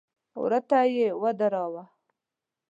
وره ته يې ودراوه.